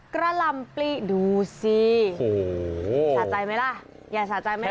กระลำปลีดูสิโอ้โหสะใจไหมล่ะอย่าสะใจไหม